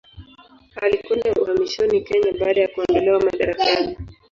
Alikwenda uhamishoni Kenya baada ya kuondolewa madarakani.